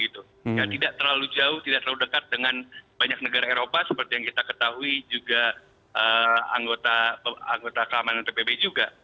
tidak terlalu jauh tidak terlalu dekat dengan banyak negara eropa seperti yang kita ketahui juga anggota keamanan pbb juga